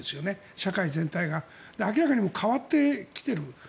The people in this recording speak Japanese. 社会全体が明らかに変わってきている。